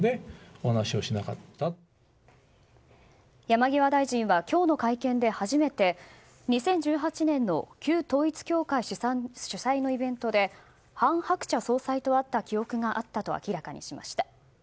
山際大臣は今日の会見で初めて２０１８年の旧統一教会主催のイベントで韓鶴子総裁と会った記憶があったと明らかにしました。